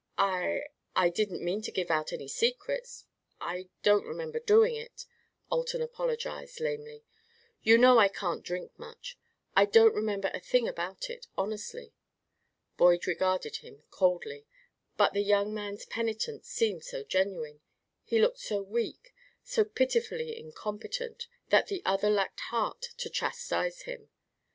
"I I didn't mean to give out any secrets I don't remember doing it," Alton apologized, lamely. "You know I can't drink much. I don't remember a thing about it, honestly." Boyd regarded him coldly, but the young man's penitence seemed so genuine, he looked so weak, so pitifully incompetent, that the other lacked heart to chastise him.